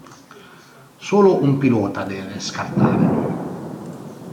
Solo un pilota deve scartare.